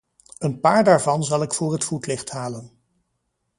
Een paar daarvan zal ik voor het voetlicht halen.